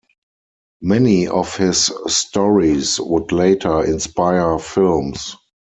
Many of his stories would later inspire films.